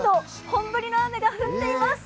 本降りの雨が降っています。